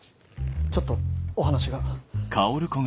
ちょっとお話が。